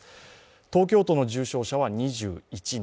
東京都の重症者は２１人。